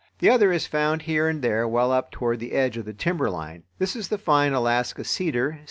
The other is found here and there well up toward the edge of the timberline. This is the fine Alaska cedar (_C.